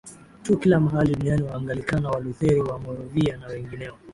tu kila mahali duniani Waanglikana Walutheri Wamoravia na wengineo